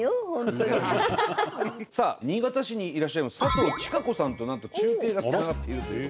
さあ新潟市にいらっしゃいます佐藤智香子さんとなんと中継がつながっているという。